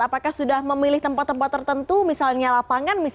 apakah sudah memilih tempat tempat tertentu misalnya lapangan